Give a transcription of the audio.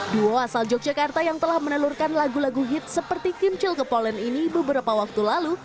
dua asal yogyakarta yang telah menelurkan lagu lagu hit seperti kim chilko polen ini beberapa waktu lalu